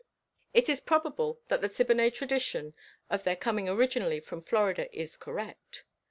It is probable that the Siboney tradition of their coming originally from Florida is correct.